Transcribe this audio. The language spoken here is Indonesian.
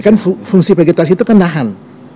kan fungsi vegetasi itu kan nahan